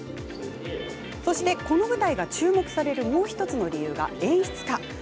そして、この舞台が注目されるもう１つの理由が演出家。